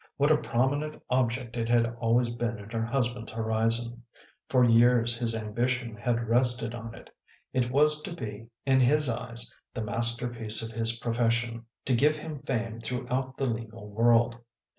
What a prominent object it had always been in her husband s horizon! For years his ambition had rested on it. It was to be, in his eyes, the master piece of his profession, to give him fame throughout the legal world.